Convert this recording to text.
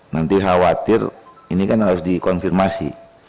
nanti khawatir ini kan harus dikonfirmasi